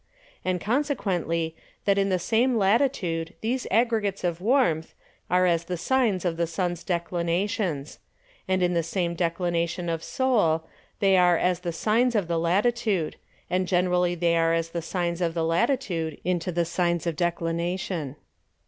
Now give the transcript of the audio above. And consequently, that in the same Latitude these Aggregates of Warmth, are as the Sines of the Sun's Declinations; and in the same Declination of Sol, they are as the Sines of the Latitude, and generally they are as the Sines of the Latitude into the Sines of Declination.